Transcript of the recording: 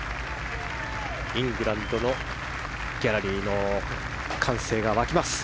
イングランドのギャラリーの歓声が沸きます。